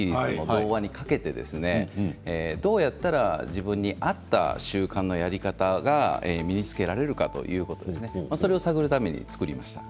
それにかけて、どうやったら自分に合った習慣のやり方が身につけられるのかということそれを探るために作りました。